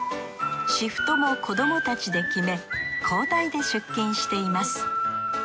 シフトも子どもたちで決め交代で出勤しています。